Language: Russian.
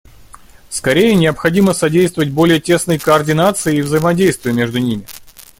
Скорее, необходимо содействовать более тесной координации и взаимодействию между ними.